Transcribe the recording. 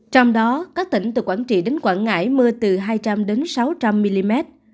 trong đó các tỉnh từ quảng trị đến quảng ngãi mưa từ hai trăm linh đến sáu trăm linh mm